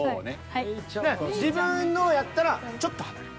自分のをやったらちょっと離れる。